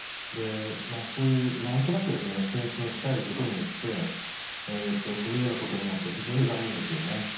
まあそういう何となく検診を控えることによってそのようなことになっては非常に残念ですよね。